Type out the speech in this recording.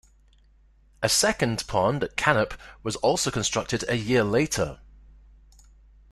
A second pond at Cannop was also constructed a year later.